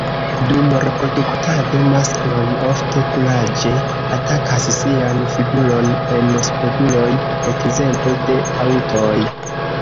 Dum reproduktado maskloj ofte kuraĝe atakas sian figuron en speguloj ekzemple de aŭtoj.